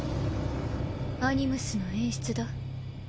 アニムスの演出だ。